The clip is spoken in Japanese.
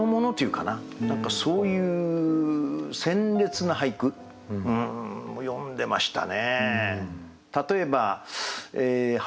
そういう鮮烈な俳句も詠んでましたね。